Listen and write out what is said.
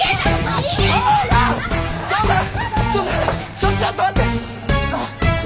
ちょちょっと待って。